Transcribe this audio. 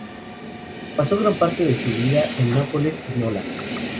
Pasó gran parte de su vida en Nápoles y Nola.